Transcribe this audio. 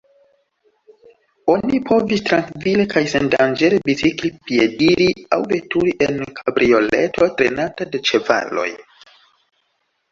Oni povis trankvile kaj sendanĝere bicikli, piediri aŭ veturi en kabrioleto trenata de ĉevaloj.